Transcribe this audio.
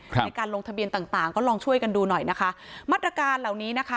ในการลงทะเบียนต่างต่างก็ลองช่วยกันดูหน่อยนะคะมาตรการเหล่านี้นะคะ